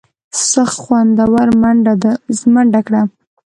سخوندر منډه کړه.